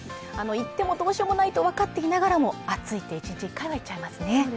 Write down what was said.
言ってもどうしようもないと分かっていながらも、暑いと一日１回は言っちゃいますね